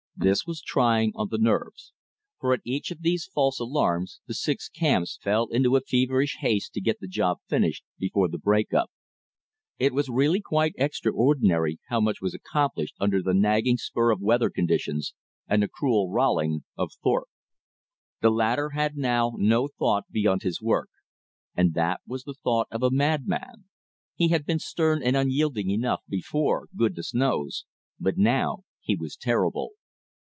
This was trying on the nerves. For at each of these false alarms the six camps fell into a feverish haste to get the job finished before the break up. It was really quite extraordinary how much was accomplished under the nagging spur of weather conditions and the cruel rowelling of Thorpe. The latter had now no thought beyond his work, and that was the thought of a madman. He had been stern and unyielding enough before, goodness knows, but now he was terrible.